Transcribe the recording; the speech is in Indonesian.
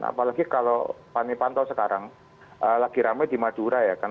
apalagi kalau fanny panto sekarang lagi ramai di madura ya kan